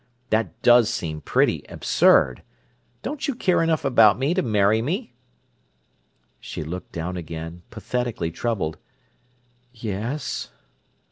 That does seem pretty absurd! Don't you care enough about me to marry me?" She looked down again, pathetically troubled. "Yes."